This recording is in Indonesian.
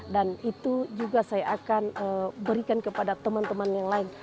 dan itu juga saya akan berikan kepada teman teman yang lain